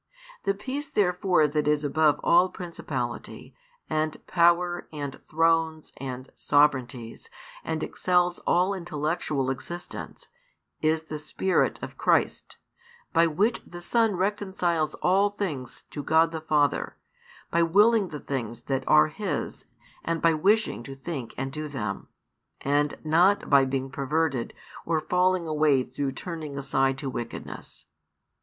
The peace therefore that is above all principality, and power, and thrones, and sovereignties, and excels all intellectual existence, is the Spirit of Christ, by Which the Son reconciles all things to God the Father, by willing the things that are His and by wishing to |342 think and do them, and not by being perverted or falling away through turning aside to wickedness.